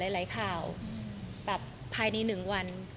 หลายข่าวแบบภายในหนึ่งวัน